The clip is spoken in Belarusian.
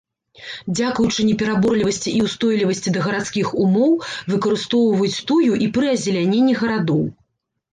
Дзякуючы непераборлівасці і ўстойлівасці да гарадскіх умоў выкарыстоўваюць тую і пры азеляненні гарадоў.